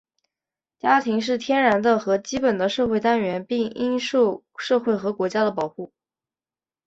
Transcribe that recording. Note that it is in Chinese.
家庭是天然的和基本的社会单元,并应受社会和国家的保护。